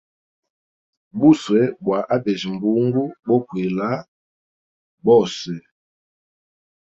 Buswe bwa abejya mbungu bokwila byose.